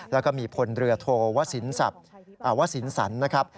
แล้วก็มีพลเรือโทวสินวสินสันนะครับ